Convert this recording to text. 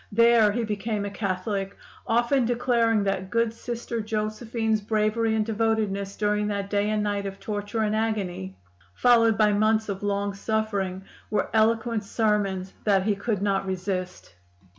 There he became a Catholic, often declaring that good Sister Josephine's bravery and devotedness during that day and night of torture and agony, followed by months of long suffering, were eloquent sermons that he could not resist.